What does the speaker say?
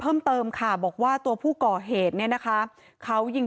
พี่บุหรี่พี่บุหรี่พี่บุหรี่พี่บุหรี่